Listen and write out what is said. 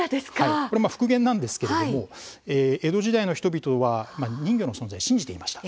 復元なんですが江戸時代の人々は人魚の存在を信じていました。